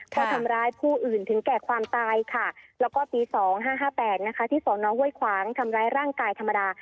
เพราะทำร้ายผู้อื่นถึงแก่ความตายค่ะแล้วก็ปี๒๕๕๘นะคะที่สนห้วยขวางทำร้ายร่างกายธรรมดา